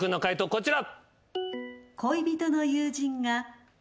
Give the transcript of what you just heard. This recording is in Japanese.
こちら。